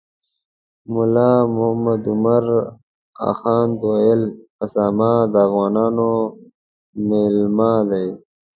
ملا محمد عمر اخند ویل اسامه د افغانانو میلمه دی.